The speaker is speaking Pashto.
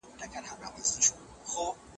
د ټولني سوکالي ستاسو په لاس کي ده.